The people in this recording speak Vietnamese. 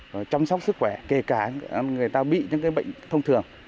và chăm sóc sức khỏe kể cả người ta bị những cái bệnh thông thường